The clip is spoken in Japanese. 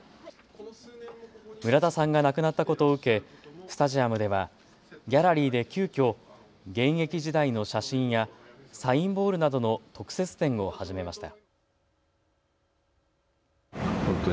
村田さんが亡くなったことを受けスタジアムではギャラリーで急きょ、現役時代の写真やサインボールなどの特設展を始めました。